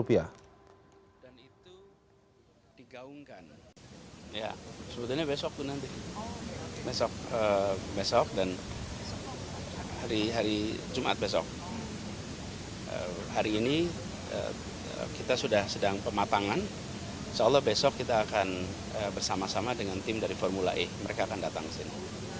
ya sebenarnya besok tuh nanti besok dan hari jumat besok hari ini kita sudah sedang pematangan seolah besok kita akan bersama sama dengan tim dari formula e mereka akan datang ke sini